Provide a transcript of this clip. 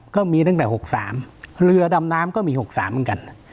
ก็มีตั้งแต่๖๓เรือดำน้ำก็มี๖๓เหมือนกัน